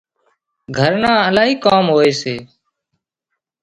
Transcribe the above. گھر نان الاهي ڪام هوئي سي